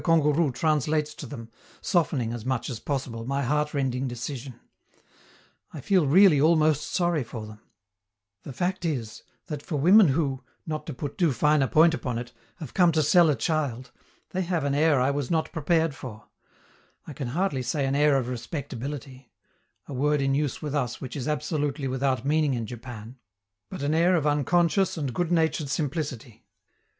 Kangourou translates to them, softening as much as possible, my heartrending decision. I feel really almost sorry for them; the fact is, that for women who, not to put too fine a point upon it, have come to sell a child, they have an air I was not prepared for: I can hardly say an air of respectability (a word in use with us which is absolutely without meaning in Japan), but an air of unconscious and good natured simplicity.